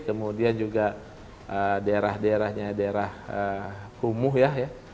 kemudian juga daerah daerahnya daerah kumuh ya